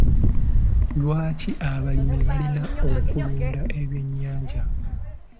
Lwaki abalimi balina okulunda ebyennyanja?